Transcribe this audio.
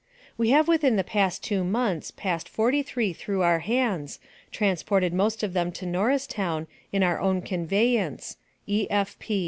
We have within the past 2 mos. passed 43 through our hands, transported most of them to Norristown in our own conveyance. E.